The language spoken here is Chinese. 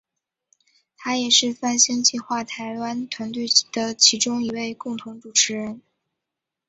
他也是泛星计画台湾团队的其中一位共同主持人。